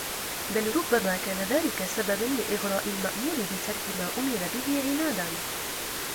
بَلْ رُبَّمَا كَانَ ذَلِكَ سَبَبًا لِإِغْرَاءِ الْمَأْمُورِ بِتَرْكِ مَا أُمِرَ بِهِ عِنَادًا